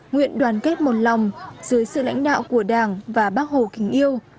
nguyện đoàn kết một lòng dưới sự lãnh đạo của đảng và bác hồ kính yêu